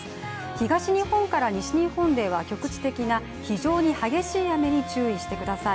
東日本から西日本では局地的な、非常に激しい雨に注意してください。